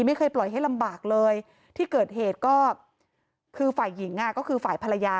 ไม่เคยปล่อยให้ลำบากเลยที่เกิดเหตุก็คือฝ่ายหญิงก็คือฝ่ายภรรยา